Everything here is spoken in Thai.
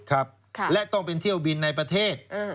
ครับและต้องเป็นเที่ยวบินในประเทศ